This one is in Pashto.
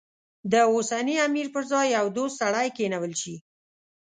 د اوسني امیر پر ځای یو دوست سړی کېنول شي.